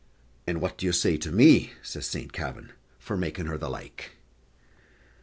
"And what do you say to me," says Saint Kavin, "for making her the like?"